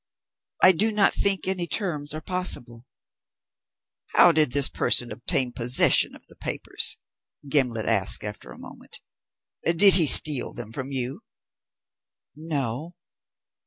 "I do not think any terms are possible." "How did this person obtain possession of the papers?" Gimblet asked after a moment. "Did he steal them from you?" "No."